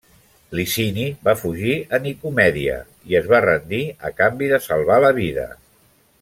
Licini va fugir a Nicomèdia i es va rendir a canvi de salvar la vida.